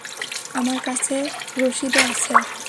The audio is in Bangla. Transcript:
আমার কাছে রসিদও আছে।